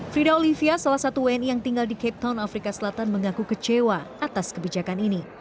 frida olivia salah satu wni yang tinggal di cape town afrika selatan mengaku kecewa atas kebijakan ini